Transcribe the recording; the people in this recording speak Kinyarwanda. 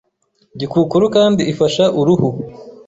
Gikukuru kandi ifasha uruhu